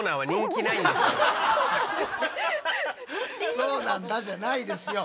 「そうなんだ」じゃないですよ。